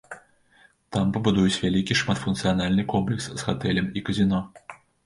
Там пабудуюць вялікі шматфункцыянальны комплекс з гатэлем і казіно.